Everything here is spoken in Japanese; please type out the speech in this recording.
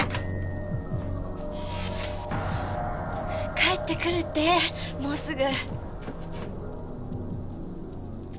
帰ってくるってもうすぐ。